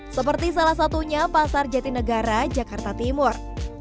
seperti salah satunya pasar jatinegara jakarta timur